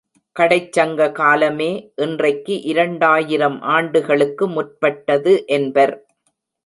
கடைச் சங்க காலமே, இன்றைக்கு இரண்டாயிரம் ஆண்டுகளுக்கு முற்பட்டது என்பர்.